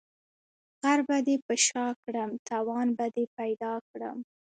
غر به دي په شاکړم ، توان به دي پيدا کړم.